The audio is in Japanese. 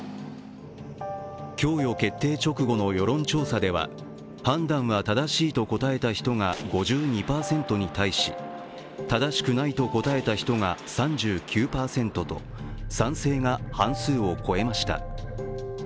供与決定直後の世論調査では判断は正しいと答えた人が５２％に対し正しくないと答えた人が３９％と賛成が半数を超えました。